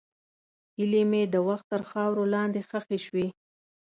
هیلې مې د وخت تر خاورو لاندې ښخې شوې.